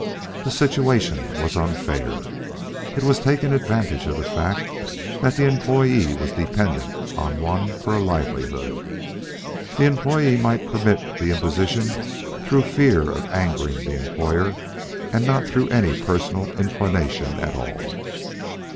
The situation was unfair. It was taking advantage of the fact that the employee was dependent on one for a livelihood. The employee might permit the imposition through fear of angering the employer and not through any personal inclination at all.